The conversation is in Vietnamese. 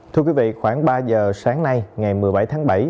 thưa quý vị khoảng ba giờ sáng nay ngày một mươi bảy tháng bảy